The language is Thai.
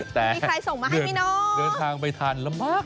มีใครส่งมาให้มั้ยน้องแต่เหนือทางไปทานละมาก